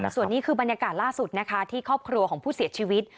ส่วนนี้คือบรรยากาศล่าสุดนะคะที่ครอบครัวของผู้เสียชีวิต